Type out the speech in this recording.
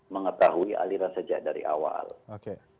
mengetahui aliran sejak dari awal